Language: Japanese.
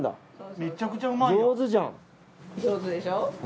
上手でしょ。